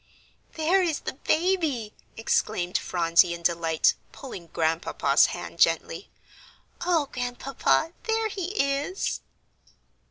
"There is the baby!" exclaimed Phronsie, in delight, pulling Grandpapa's hand gently. "Oh, Grandpapa, there he is."